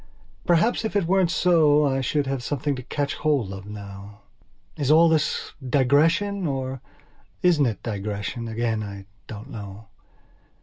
Perhaps if it weren't so I should have something to catch hold of now. Is all this digression or isn't it digression? Again I don't know.